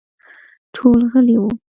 ټول غلي وو.